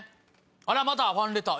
あらまたファンレター！